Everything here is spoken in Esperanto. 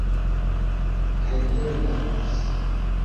Kaj tre dankas.